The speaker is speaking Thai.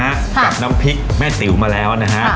กับน้ำพริกแม่ติ๋วมาแล้วนะฮะ